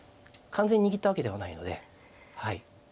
完全に握ったわけではないのではい。